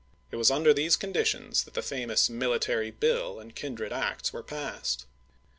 It was under these conditions that the famous military bill and kindred acts were passed.